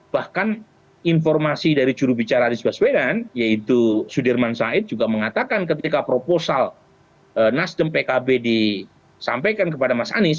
bahkan informasi dari jurubicara anies baswedan yaitu sudirman said juga mengatakan ketika proposal nasdem pkb disampaikan kepada mas anies